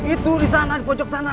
itu di sana di pojok sana